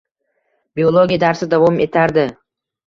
Biologiya darsi davom etardi...